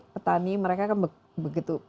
petani mereka kan begitu